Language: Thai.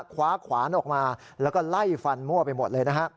ขวานออกมาแล้วก็ไล่ฟันมั่วไปหมดเลยนะฮะ